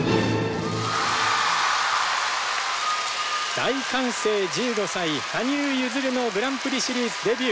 大歓声１５歳羽生結弦のグランプリシリーズデビュー！